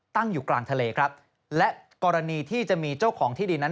ตั้งอยู่กลางทะเลครับและกรณีที่จะมีเจ้าของที่ดินนั้น